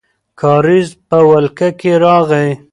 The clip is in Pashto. کارېز په ولکه کې راغی.